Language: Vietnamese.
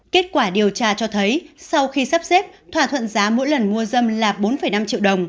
kết quả điều tra cho thấy sau khi sắp xếp thỏa thuận giá mỗi lần mua dâm là bốn năm triệu đồng